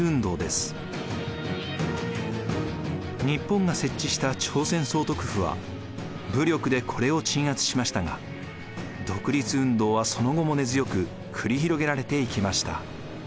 日本が設置した朝鮮総督府は武力でこれを鎮圧しましたが独立運動はその後も根強く繰り広げられていきました。